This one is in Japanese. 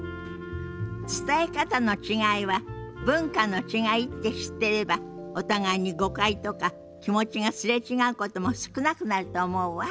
伝え方の違いは文化の違いって知ってればお互いに誤解とか気持ちが擦れ違うことも少なくなると思うわ。